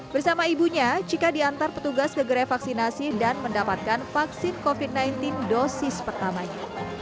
bersama ibunya cika diantar petugas ke gerai vaksinasi dan mendapatkan vaksin covid sembilan belas dosis pertamanya